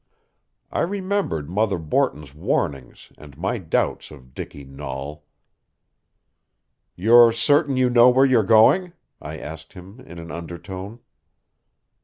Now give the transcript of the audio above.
I remembered Mother Borton's warnings and my doubts of Dicky Nahl. "You're certain you know where you are going?" I asked him in an undertone.